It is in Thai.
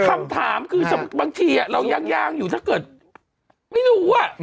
คำถามคือบางทีเรายางอยู่ถ้าเกิดไม่รู้